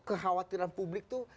kekhawatiran publik tuh